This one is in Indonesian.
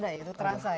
ada ya itu terasa ya